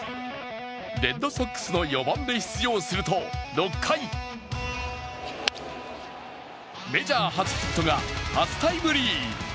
レッドソックスの４番で出場すると６回メジャー初ヒットが初タイムリー。